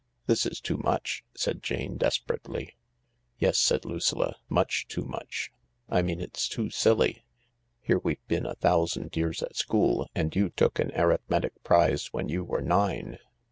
" This is too much I " said Jane desperately. "Yes," said Lucilla, "much too much I "" I mean it's too silly. Here we've been a thousand years at school, and you took an arithmetic prize when you were nine